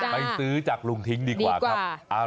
ไปซื้อจากลุงทิ้งดีกว่าครับ